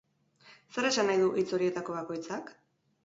Zer esan nahi du hitz horietako bakoitzak?